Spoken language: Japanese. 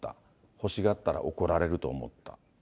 欲しがったら怒られると思った。